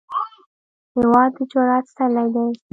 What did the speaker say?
هېواد د جرئت څلی دی.